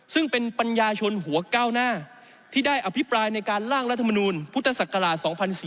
ซึ่งเป็นปัญญาชนหัวก้าวหน้าที่ได้อภิปรายในการล่างรัฐมนูลพุทธศักราช๒๔๙